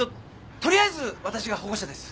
取りあえずわたしが保護者です。